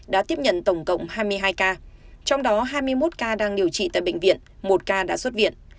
đã tiếp nhận tổng cộng hai mươi hai ca trong đó hai mươi một ca đang điều trị tại bệnh viện một ca đã xuất viện